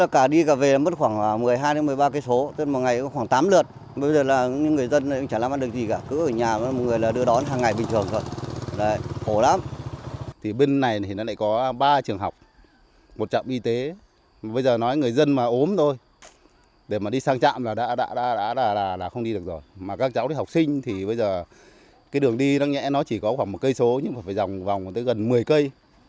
các cháu đi học sinh thì bây giờ cái đường đi nó chỉ có khoảng một cây số nhưng mà phải dòng vòng tới gần một mươi cây